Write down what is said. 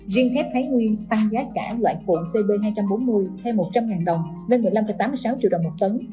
riêng thép thái nguyên tăng giá cả loại cụm cp hai trăm bốn mươi thêm một trăm linh đồng lên một mươi năm tám mươi sáu triệu đồng một tấn